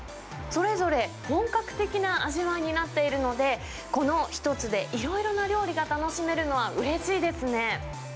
それぞれ本格的な味わいになっているので、この１つでいろいろな料理が楽しめるのはうれしいですね。